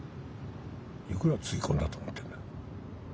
いくらつぎ込んだと思ってるんだ。